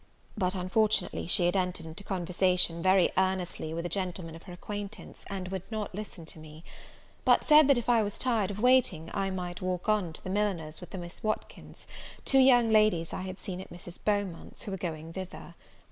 But unfortunately she had entered into conversation, very earnestly, with a gentleman of her acquaintance, and would not listen to me; but said, that if I was tired of waiting, I might walk on to the milliner's with the Miss Watkins, two young ladies I had seen at Mrs. Beaumont's, who were going thither.